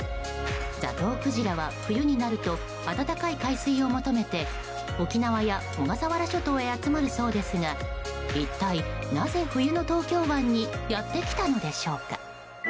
ザトウクジラは冬になると温かい海水を求めて沖縄や小笠原諸島へ集まるそうですが一体なぜ冬の東京湾にやってきたのでしょうか？